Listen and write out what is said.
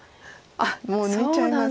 あっもう抜いちゃいますか。